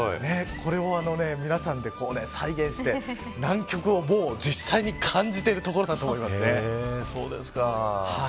これを皆さんで再現して南極をもう実際に感じてるところだと思いますね。